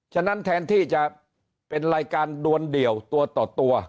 ฉะนั้นแทนที่จะเป็นรายการดวนเดี่ยวตัวต่อตัว